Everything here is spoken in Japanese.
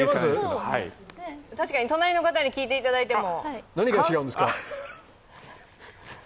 隣の方に聞いていただいても。